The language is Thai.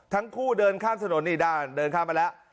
ทั้งคู่เดินข้างถนนอย่างอีกด้านเดินข้างไปแล้ว